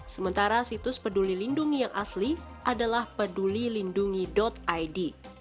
sementara situs peduli lindungi yang asli adalah pedulilindungi id